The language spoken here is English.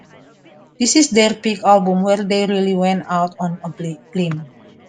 This is their peak album, where they really went out on a limb.